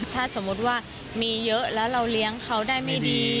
ถ้าสมมุติว่ามีเยอะแล้วเราเลี้ยงเขาได้ไม่ดี